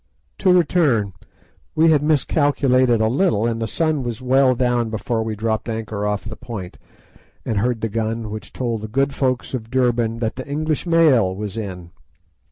To return, we had miscalculated a little, and the sun was well down before we dropped anchor off the Point, and heard the gun which told the good folks of Durban that the English Mail was in.